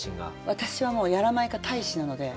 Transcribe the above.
私はもうやらまいか大使なので。